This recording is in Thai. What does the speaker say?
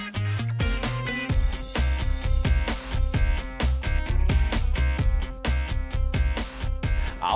เอาล่ะเดินทางมาถึงในช่วงไฮไลท์ของตลอดกินในวันนี้แล้วนะครับ